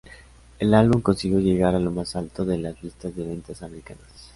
El álbum consiguió llegar a lo más alto de las listas de ventas americanas.